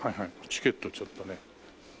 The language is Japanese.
チケットちょっとね。